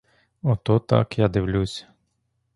Ото так я дивлюсь.